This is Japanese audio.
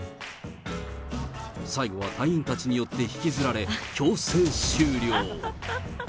最後は隊員たちによって引きずられ、強制終了。